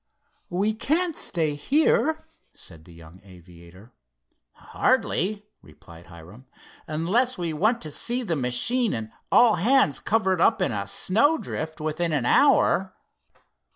"We can't stay here," said the young aviator. "Hardly," replied Hiram, "unless we want to see the machine and all hands covered up in a snowdrift within an hour."